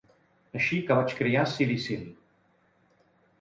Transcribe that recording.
Així que vaig crear "Silly Seal".